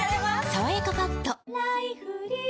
「さわやかパッド」